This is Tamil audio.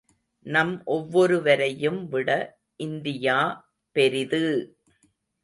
நம் ஒவ்வொருவரையும் விட இந்தியா பெரிது!